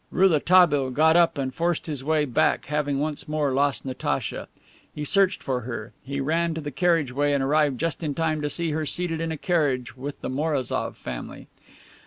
Rouletabille got up and forced his way back, having once more lost Natacha. He searched for her. He ran to the carriage way and arrived just in time to see her seated in a carriage with the Mourazoff family.